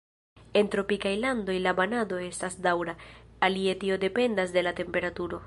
En tropikaj landoj la banado estas daŭra, alie tio dependas de la temperaturo.